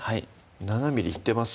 ７ｍｍいってます？